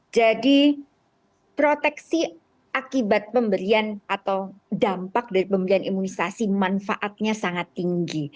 jadi proteksi akibat pemberian atau dampak dari pemberian imunisasi manfaatnya sangat tinggi